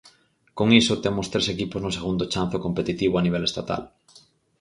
Con iso temos tres equipos no segundo chanzo competitivo a nivel estatal.